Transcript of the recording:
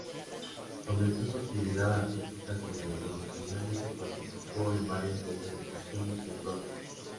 Comenzó su actividad artística sobre los escenarios y participó en varias representaciones en Broadway.